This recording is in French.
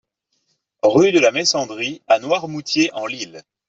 Rue de la Messandrie à Noirmoutier-en-l'Île